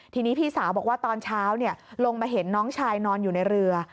ทีนี้พี่สาวบอกว่าตอนเช้าลงมาเห็นน้องชายนอนอยู่ในเรือ